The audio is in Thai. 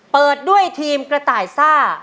เปิดด้วยทีมกระต่ายซ่า